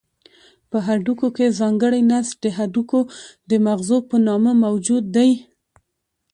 په هډوکو کې ځانګړی نسج د هډوکو د مغزو په نامه موجود دی.